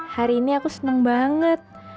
hari ini aku senang banget